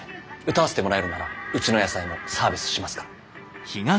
歌わせてもらえるならうちの野菜もサービスしますから。